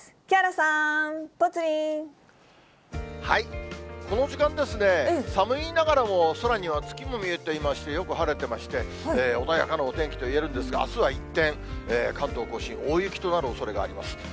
木原さん、この時間ですね、寒いながらも空には月も見えていまして、よく晴れてまして、穏やかなお天気といえるんですが、あすは一転、関東甲信、大雪となるおそれがあります。